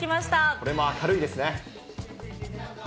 これも明るいですね。